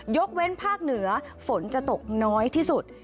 ยกเว้นภาคเหนือฝนจะตกน้อยที่สุด